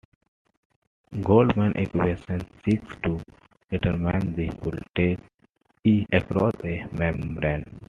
Goldman's equation seeks to determine the voltage "E" across a membrane.